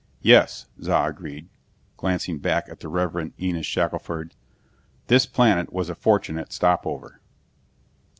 "Yes," Za agreed, glancing back at the Reverend Enos Shackelford. "This planet was a fortunate stopover."